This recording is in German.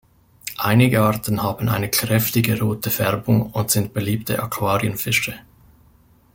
Einige Arten haben eine kräftige rote Färbung und sind beliebte Aquarienfische.